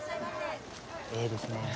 えいですね。